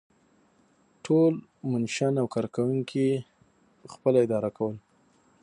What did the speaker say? ټول منشیان او کارکوونکي یې پخپله اداره کول.